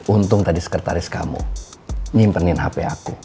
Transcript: untung tadi sekretaris kamu nyimpenin hp aku